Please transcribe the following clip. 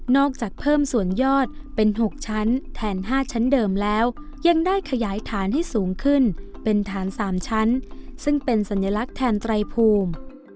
อกจากเพิ่มส่วนยอดเป็น๖ชั้นแทน๕ชั้นเดิมแล้วยังได้ขยายฐานให้สูงขึ้นเป็นฐาน๓ชั้นซึ่งเป็นสัญลักษณ์แทนไตรภูมิ